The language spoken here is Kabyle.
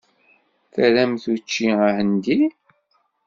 Tramt učči ahendi?